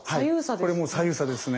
これも左右差ですね。